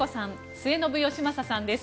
末延吉正さんです。